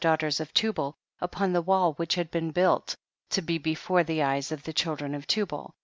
daughters of Tubal, upon the wall which had been built, to be before the eyes of the children of Tubal.